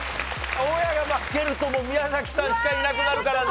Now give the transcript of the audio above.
大家が負けるともう宮崎さんしかいなくなるからな。